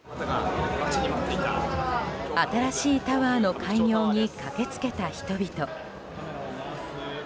新しいタワーの開業に駆け付けた人々。